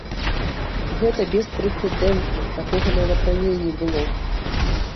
Гэта беспрэцэдэнтна, такога нават раней не было.